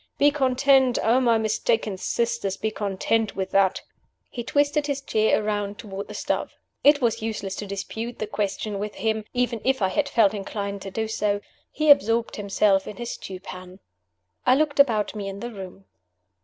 Be content oh, my mistaken sisters, be content with that!" He twisted his chair around toward the stove. It was useless to dispute the question with him, even if I had felt inclined to do so. He absorbed himself in his stew pan. I looked about me in the room.